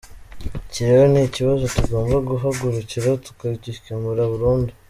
Iki rero ni ikibazo tugomba guhagurukira tukagikemura burundu”.